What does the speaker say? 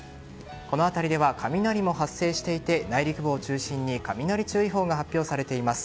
この辺りでは雷も発生していて内陸部を中心に雷注意報が発表されています。